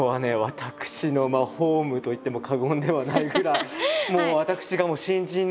私のホームと言っても過言ではないぐらい。